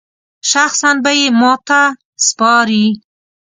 شخصاً به یې ماته سپاري.